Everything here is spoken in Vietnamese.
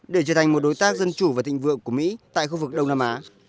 để trở thành một đối tác dân chủ và thịnh vượng của mỹ tại khu vực đông nam á